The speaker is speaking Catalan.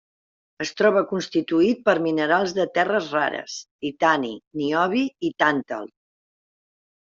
Es troba constituït per minerals de terres rares, titani, niobi i tàntal.